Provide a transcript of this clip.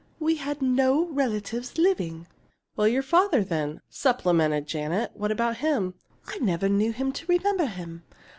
We had no relatives living." "Well, your father, then?" supplemented Janet. "What about him?" "I never knew him to remember him.